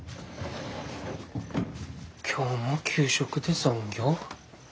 今日も給食で残業？